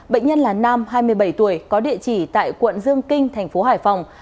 bệnh nhân là nam hai mươi bảy tuổi có địa chỉ tại quận dương kinh thành phố hải phòng